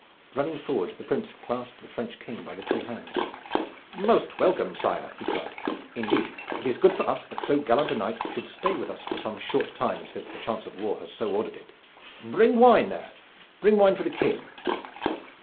Running forward the Prince clasped the French King by the two hands. "Most welcome, sire!" he cried. "Indeed it is good for us that so gallant a knight should stay with us for some short time, since the chance of war has so ordered it. Wine there! Bring wine for the King!"